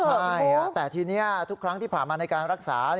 ใช่แต่ทีนี้ทุกครั้งที่ผ่านมาในการรักษา